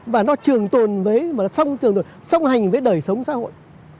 và nó trường tồn với mà nó xong hành với đời sống xã hội